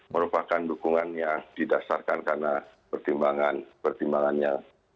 merupakan dukungannya didasarkan karena pertimbangan pertimbangannya